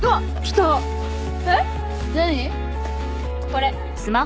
これ。